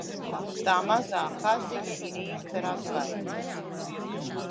Tā mazā kaziņa ir īsta razbainiece!